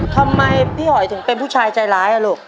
ทำไมพี่หอยถึงเป็นผู้ชายใจร้ายอ่ะลูก